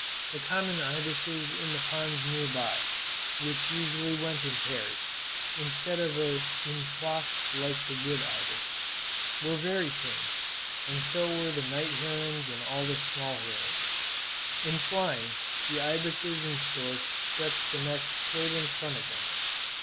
The common ibises in the ponds near by which usually went in pairs, instead of in flocks like the wood ibis were very tame, and so were the night herons and all the small herons. In flying, the ibises and storks stretch the neck straight in front of them.